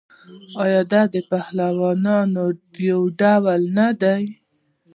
آیا دا د پهلوانۍ یو ډول نه دی؟